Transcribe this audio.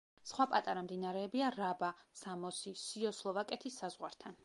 სხვა პატარა მდინარეებია რაბა, სამოსი, სიო სლოვაკეთის საზღვართან.